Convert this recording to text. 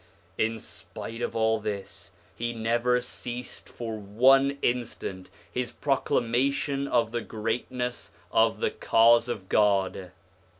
1 In spite of all this he never ceased for one instant his proclamation of the greatness of the Cause of God.